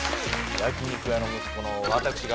焼肉屋の息子の私が。